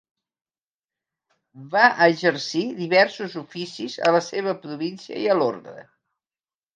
Va exercir diversos oficis a la seva província i a l'orde.